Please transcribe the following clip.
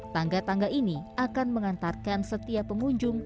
tangga tangga ini akan mengantarkan setiap pengunjung